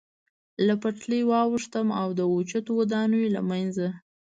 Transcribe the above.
له پټلۍ واوښتم، د اوچتو ودانیو له منځه.